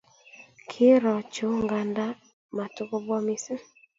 Kiiro chu nganda matukobwa missing